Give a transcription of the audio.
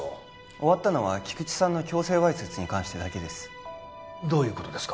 終わったのは菊池さんの強制わいせつに関してだけですどういうことですか？